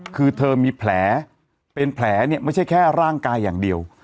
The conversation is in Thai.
คือเธอมีแผลเป็นแผลเนี่ยไม่ใช่แค่ร่างกายอย่างเดียว